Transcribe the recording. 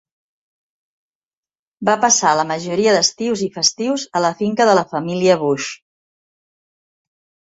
Va passar la majoria d'estius i festius a la finca de la família Bush.